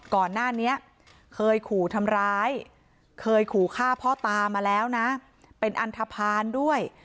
ก่อนหน้านี้เคยขู่ทำร้ายเคยขู่ฆ่าพ่อตามาแล้วนะเป็นอันทภาณด้วย